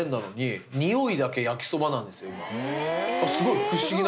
すごい。